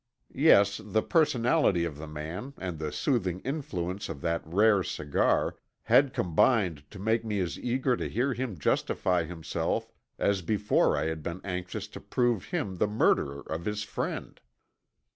Yes, the personality of the man and the soothing influence of that rare cigar had combined to make me as eager to hear him justify himself as before I had been anxious to prove him the murderer of his friend.